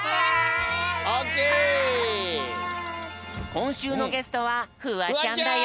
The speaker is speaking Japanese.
こんしゅうのゲストはフワちゃんだよ。